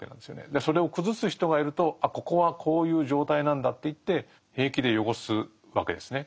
でそれを崩す人がいると「あここはこういう状態なんだ」っていって平気で汚すわけですね。